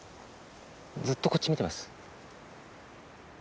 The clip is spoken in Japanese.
ずっとこっち見てます。